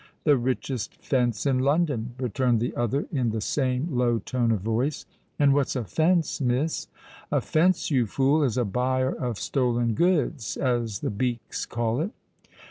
"The richest fence in London," returned the other in the same low tone of voice. "And what's a fence, Miss?" "A fence, you fool, is a buyer of stolen goods, as the beaks call it.